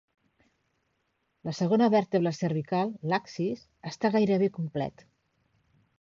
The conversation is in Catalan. La segona vèrtebra cervical, l'axis, està gairebé complet.